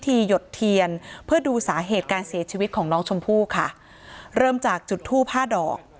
หยดเทียนเพื่อดูสาเหตุการเสียชีวิตของน้องชมพู่ค่ะเริ่มจากจุดทูบห้าดอก